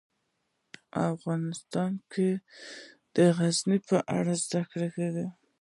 افغانستان کې د غزني په اړه زده کړه کېږي.